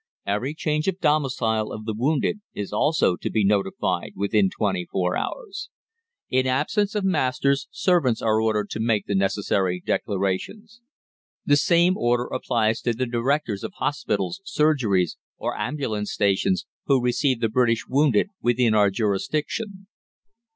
Every change of domicile of the wounded is also to be notified within 24 hours. In absence of masters, servants are ordered to make the necessary declarations. The same order applies to the directors of hospitals, surgeries, or ambulance stations, who receive the British wounded within our jurisdiction.